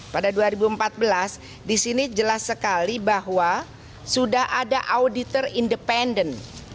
pada dua ribu empat belas di sini jelas sekali bahwa sudah ada auditor independen